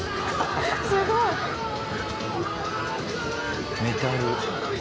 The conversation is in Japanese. すごい！メタル。